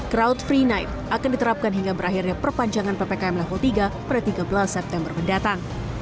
crowd free night akan diterapkan hingga berakhirnya perpanjangan ppkm level tiga pada tiga belas september mendatang